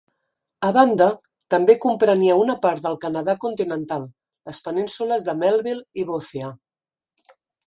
A banda, també comprenia una part del Canadà continental, les penínsules de Melville i Boothia.